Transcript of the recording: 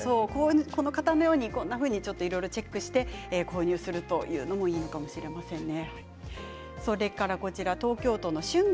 この方のようにいろいろチェックして購入するというのもいいかもしれませんね。